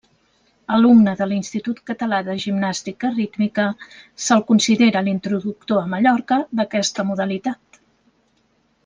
Alumne de l'Institut Català de Gimnàstica Rítmica, se'l considera l'introductor a Mallorca d'aquesta modalitat.